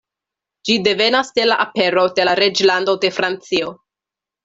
Ĝi devenas de la apero de la reĝlando de Francio.